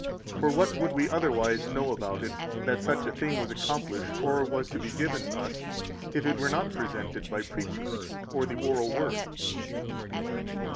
For what would we otherwise know about it, that such a thing was accomplished or was to be given us if it were not presented by preaching or the oral Word?